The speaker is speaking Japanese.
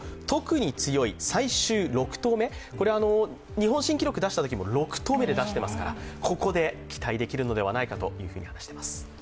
日本新記録を出したときも６投目で出していますから、ここで、期待できるのではないかと話しています。